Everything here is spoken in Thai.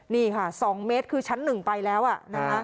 นี่ค่ะ๒เมตรคือชั้น๑ไปแล้วนะคะ